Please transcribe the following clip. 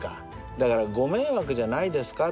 だからご迷惑じゃないですか？